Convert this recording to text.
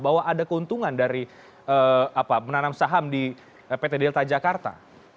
bahwa ada keuntungan dari menanam saham di pt delta jakarta